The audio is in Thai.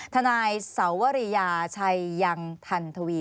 นายสวรียาชัยยังทันทวี